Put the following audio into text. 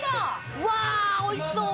うわおいしそう。